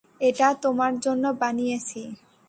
এটা তোমার জন্য বানিয়েছি।